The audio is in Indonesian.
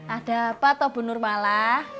ada apa tuh bu nurmala